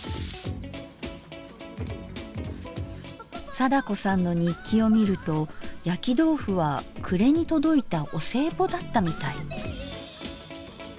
貞子さんの日記を見るとやきどうふは暮れに届いたお歳暮だったみたい。